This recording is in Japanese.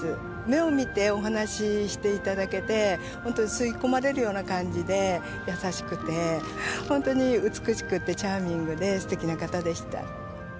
目を見てお話ししていただけてホント吸い込まれるような感じで優しくてホントに美しくてチャーミングですてきな方でした。